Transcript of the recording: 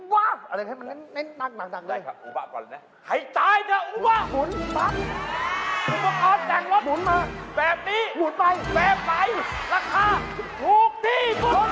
แบบนี้แบนไปราคาทุกทีคุณ